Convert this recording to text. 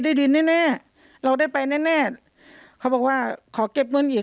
ดินแน่แน่เราได้ไปแน่แน่เขาบอกว่าขอเก็บเงินอีก